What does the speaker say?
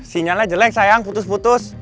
sinyalnya jelek sayang putus putus